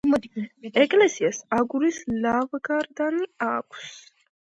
ეკლესიას აგურის ლავგარდანი აქვს.